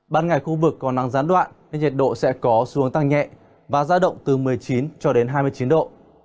ban ngày khu vực có nắng gián đoạn nên nhiệt độ sẽ có xuống tăng nhẹ và ra động từ một mươi chín cho đến hai mươi chín độ